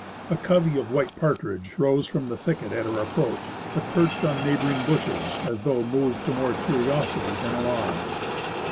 A covey of white partridge rose from the thicket at our approach, but perched on neighbouring bushes as though moved to more curiosity than alarm.